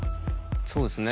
そうですね。